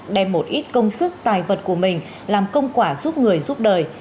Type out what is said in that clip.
đem một ít công sức tài vật của mình làm công quả giúp người giúp đời